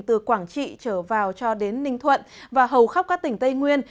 từ quảng trị trở vào cho đến ninh thuận và hầu khắp các tỉnh tây nguyên